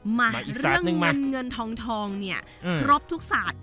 หมาฮาร์งเงินคงศร้อนพรพทุกสัตว์